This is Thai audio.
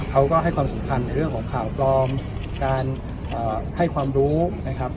เขาก็ให้ความสำคัญในเรื่องของข่าวปลอมการให้ความรู้นะครับ